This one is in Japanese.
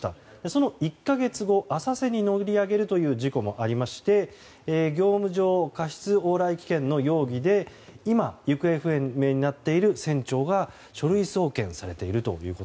その１か月後浅瀬に乗り上げるという事故もありまして業務上過失往来危険の容疑で今、行方不明になっている船長が書類送検されていると。